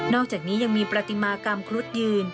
อกจากนี้ยังมีปฏิมากรรมครุฑยืน